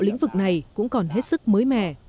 lĩnh vực này cũng còn hết sức mới mẻ